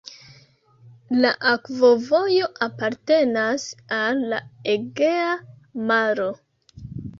La akvovojo apartenas al la Egea Maro.